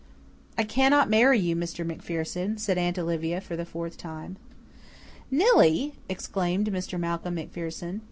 "I cannot marry you, Mr. MacPherson," said Aunt Olivia for the fourth time. "Nillie!" exclaimed Mr. Malcolm MacPherson.